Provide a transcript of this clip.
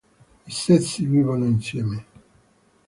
I sessi vivono insieme.